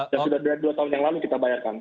sudah dua tahun yang lalu kita bayarkan